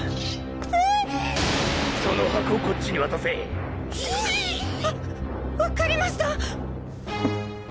その箱をこっちに渡せ！わわかりました。